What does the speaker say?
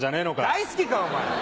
大好きかお前！